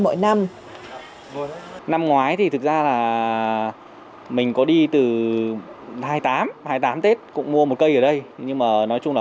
mỗi năm ngoái thì thực ra là mình có đi từ hai mươi tám hai mươi tám tết cũng mua một cây ở đây nhưng mà nói chung là